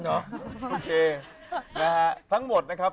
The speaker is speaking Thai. โอเคทั้งหมดนะครับ